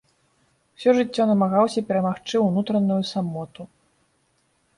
Усё жыццё намагаўся перамагчы ўнутраную самоту.